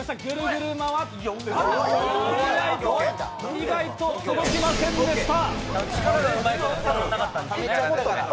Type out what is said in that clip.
意外と届きませんでした。